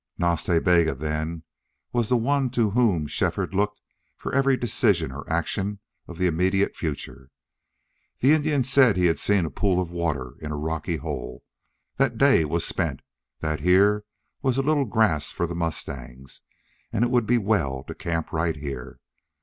Nas Ta Bega, then, was the one to whom Shefford looked for every decision or action of the immediate future. The Indian said he had seen a pool of water in a rocky hole, that the day was spent, that here was a little grass for the mustangs, and it would be well to camp right there.